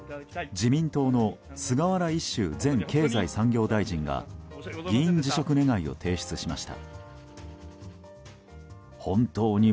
自民党の菅原一秀前経済産業大臣が議員辞職願を提出しました。